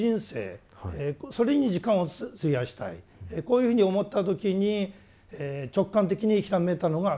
こういうふうに思った時に直感的にひらめいたのが宗教。